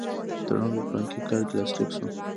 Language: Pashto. تړون په فلاني کال کې لاسلیک شو.